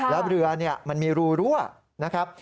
แล้วเรือมันมีรูรั่วนะครับ